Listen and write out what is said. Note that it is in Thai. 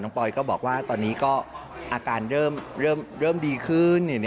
ปอยก็บอกว่าตอนนี้ก็อาการเริ่มดีขึ้น